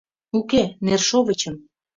— Уке, нершовычым.